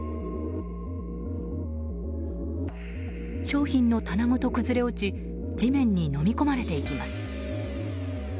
商品の棚ごと崩れ落ち地面にのみ込まれていきます。